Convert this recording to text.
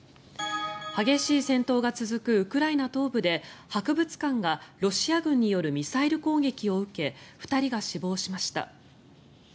激しい戦闘が続くウクライナ東部で博物館がロシア軍によるミサイル攻撃を受け２人が死亡しました。